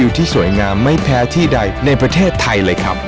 ที่สวยงามไม่แพ้ที่ใดในประเทศไทยเลยครับ